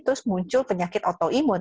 terus muncul penyakit autoimun